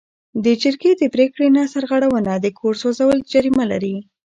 د جرګې د پریکړې نه سرغړونه د کور سوځول جریمه لري.